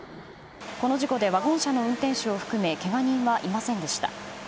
この事故でワゴン車の運転手を含めけが人はいませんでした。